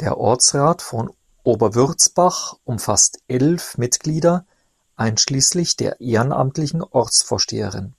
Der Ortsrat von Oberwürzbach umfasst elf Mitglieder einschließlich der ehrenamtlichen Ortsvorsteherin.